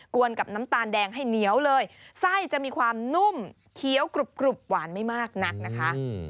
วนกับน้ำตาลแดงให้เหนียวเลยไส้จะมีความนุ่มเคี้ยวกรุบหวานไม่มากนักนะคะ